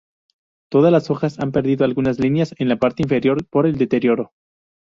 Todas las hojas han perdido algunas líneas en la parte inferior por el deterioro.